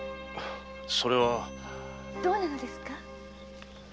それは。どうなんですか？